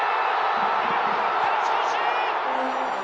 勝ち越し！